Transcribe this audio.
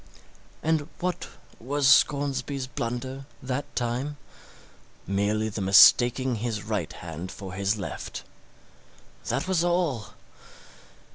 And what was Scoresby's blunder that time? Merely the mistaking his right hand for his left that was all.